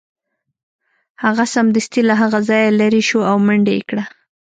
هغه سمدستي له هغه ځایه لیرې شو او منډه یې کړه